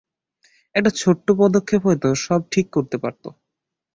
একটা ছোট্ট পদক্ষেপ হয়তো সব ঠিক করতে পারতো।